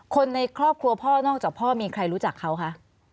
คนในครอบครัวพ่อนอกจากพ่อมีใครรู้จักเขาคะ